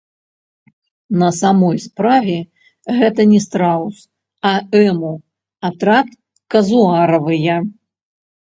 На самой справе, гэта не страус, а эму, атрад казуаравыя.